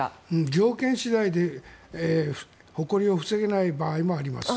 条件次第で、ほこりを防げない場合もあります。